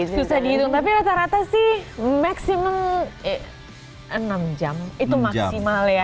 susah dihitung tapi rata rata sih maksimum enam jam itu maksimal ya